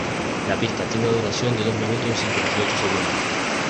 La pista tiene una duración de dos minutos y cincuenta y ocho segundos.